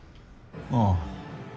ああ。